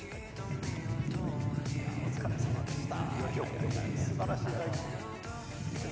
お疲れさまでした。